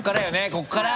ここから！